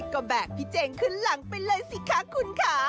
ก็แบกพี่เจงขึ้นหลังไปเลยสิคะคุณค่ะ